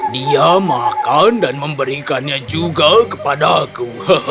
dia makan dan memberikannya juga kepadaku